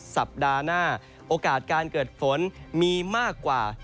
สัปดาห์หน้าโอกาสการเกิดฝนมีมากกว่า